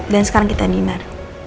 dan sekarang kita dinar